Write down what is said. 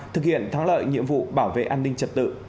thực hiện thắng lợi nhiệm vụ bảo vệ an ninh trật tự